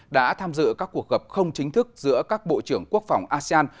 đã tham dự các cuộc gặp không chính thức giữa các bộ trưởng quốc phòng asean